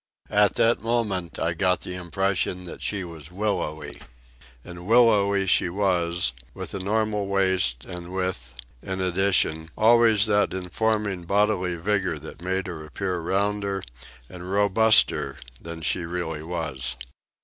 At that moment I got the impression that she was willowy. And willowy she was, with a normal waist and with, in addition, always that informing bodily vigour that made her appear rounder and robuster than she really was.